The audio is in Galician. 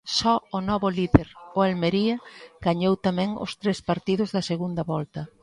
Só o novo líder, o Almería, gañou tamén os tres partidos da segunda volta.